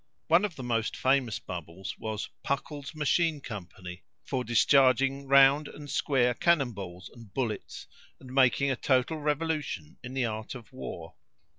One of the most famous bubbles was "Puckle's Machine Company," for discharging round and square cannon balls and bullets, and making a total revolution in the art of war.